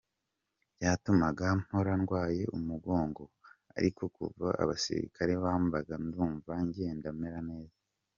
Byatumaga mpora ndwaye umugongo ariko kuva abasirikare bambaga ndumva ngenda mera neza”.